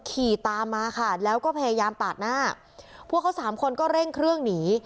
ขี่ตามมาค่ะแล้วก็พยายามปาดหน้าพวกเขาสามคนก็เร่งเครื่องหนี